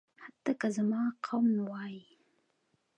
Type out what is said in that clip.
حتی که زما قوم وايي.